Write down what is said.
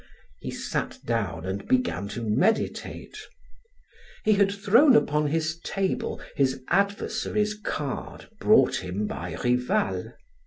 He sat down and began to meditate. He had thrown upon his table his adversary's card brought him by Rival.